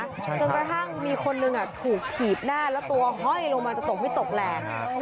จนกระทั่งมีคนหนึ่งถูกถีบหน้าแล้วตัวห้อยลงมาจะตกไม่ตกแหลก